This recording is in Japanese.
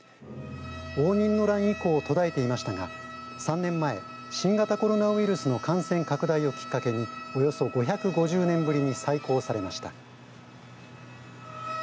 応仁の乱以降途絶えていましたが３年前新型コロナウイルスの感染拡大をきっかけにおよそ５５０年ぶりに再興されました。